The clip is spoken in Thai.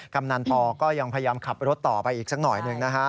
กำนันปอก็ยังพยายามขับรถต่อไปอีกสักหน่อยหนึ่งนะฮะ